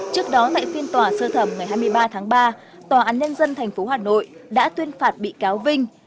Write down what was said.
trước đó tại phiên tòa sơ thẩm ngày hai mươi ba tháng ba tòa án nhân dân tp hà nội đã tuyên phạt bị cáo vinh